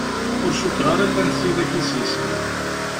Ur cukkeɣ ara llant tidak i s-yeslan.